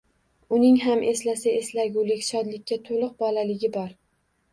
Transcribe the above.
Uning ham eslasa eslagulik, shodlikka to`liq bolaligi bor